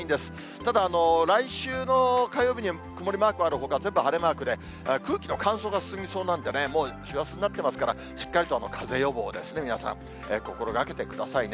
ただ、来週の火曜日に曇りマークあるほか、全部晴れマークで、空気の乾燥が進みそうなんで、もう師走になってますから、しっかりとかぜ予防ですね、皆さん、心がけてくださいね。